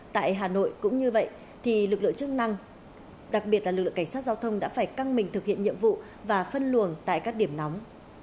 tại hà nội cũng như vậy thì lực lượng chức năng đặc biệt là lực lượng cảnh sát giao thông đã phải căng mình thực hiện nhiệm vụ và phân luồng tại các điểm nóng